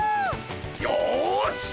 よし！